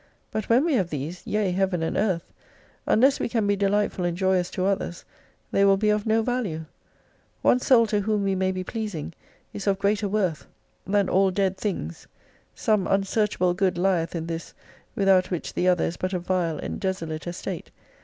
But when we have these, yea Heaven and Earth, unless we can be delightful and joyous to others they will be of no value. One soul to whom we may be pleasing is of greater worth than all 269 dead things. Some unsearchable good lieth in this without which the other is but a vile and desolate estate.